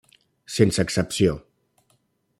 Sense excepció.